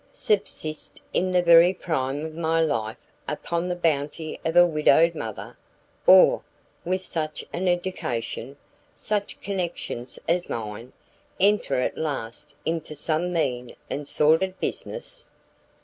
subsist in the very prime of my life upon the bounty of a widowed mother! or, with such an education, such connections as mine, enter at last into some mean and sordid business?'"